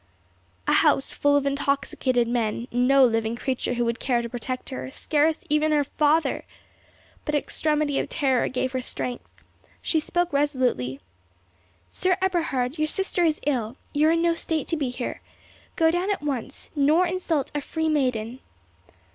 A house full of intoxicated men, no living creature who would care to protect her, scarce even her father! But extremity of terror gave her strength. She spoke resolutely—"Sir Eberhard, your sister is ill—you are in no state to be here. Go down at once, nor insult a free maiden."